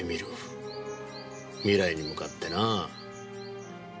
未来に向かってな。